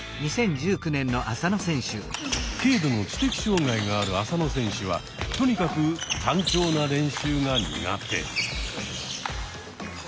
軽度の知的障害がある浅野選手はとにかく単調な練習が苦手。